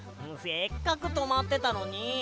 せっかくとまってたのに。